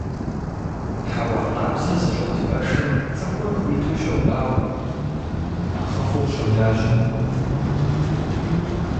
Хьэуа къабзэ зыщӀэт пэшым цӀыхур хуиту щобауэ, нэхъыфӀу щолажьэ.